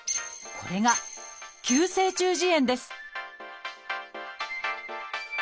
これが急性中耳炎です